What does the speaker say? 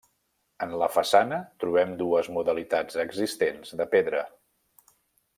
En la façana trobem dues modalitats existents de pedra.